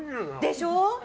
でしょ？